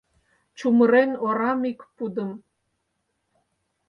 Чумырен орам ик пудым.